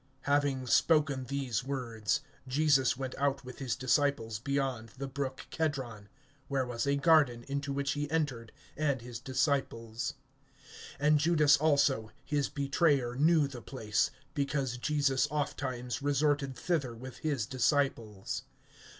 HAVING spoken these words, Jesus went out with his disciples beyond the brook Kedron, where was a garden, into which he entered and his disciples. (2)And Judas also, his betrayer knew the place; because Jesus ofttimes resorted thither with his disciples.